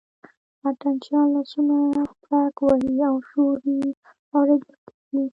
اتڼ چیان لاسونه پړک وهي او شور یې اورېدل کېږي.